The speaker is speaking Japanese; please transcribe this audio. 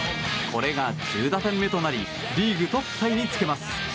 これが１０打点目となりリーグトップタイにつけます。